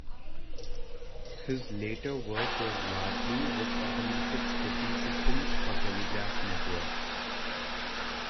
His later work was largely with automatic switching systems for telegraph networks.